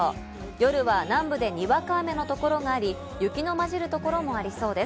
夜は南部でにわか雨の所があり、雪のまじる所もありそうです。